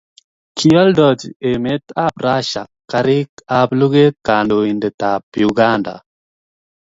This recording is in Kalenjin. kioldochi emet ab russia karik ab luget kandoindet ab uganda